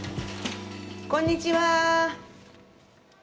こんにちは。